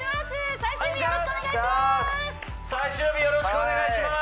最終日よろしくお願いします！